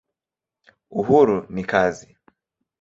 Uhuru ni kazi.